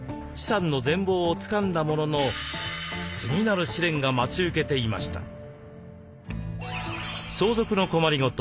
資産の全貌をつかんだものの次なる試練が待ち受けていました。